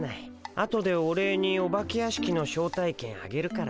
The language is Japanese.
あとでお礼にお化け屋敷の招待券あげるからさハハッ。